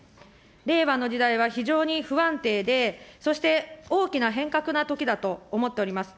令和の時代は非常に不安定で、そして大きな変革なときだと思っております。